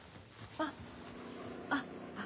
あっあっ